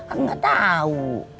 aku gak tahu